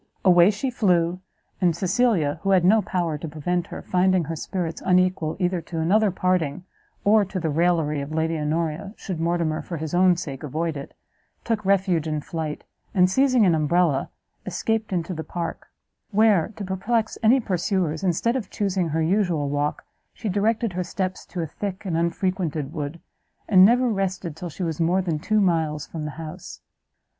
Away she flew, and Cecilia, who had no power to prevent her, finding her spirits unequal either to another parting, or to the raillery of Lady Honoria, should Mortimer, for his own sake, avoid it, took refuge in flight, and seizing an umbrella, escaped into the park; where, to perplex any pursuers, instead of chusing her usual walk, she directed her steps to a thick and unfrequented wood, and never rested till she was more than two miles from the house.